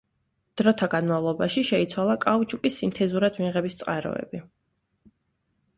დროთა განმავლობაში შეიცვალა კაუჩუკის სინთეზურად მიღების წყაროები.